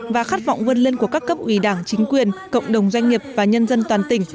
và khát vọng vươn lên của các cấp ủy đảng chính quyền cộng đồng doanh nghiệp và nhân dân toàn tỉnh